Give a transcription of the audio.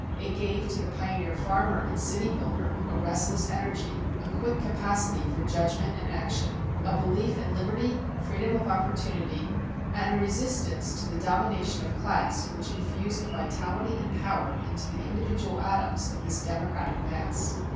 It gave to the pioneer farmer and city builder a restless energy, a quick capacity for judgment and action, a belief in liberty, freedom of opportunity, and a resistance to the domination of class which infused a vitality and power into the individual atoms of this democratic mass.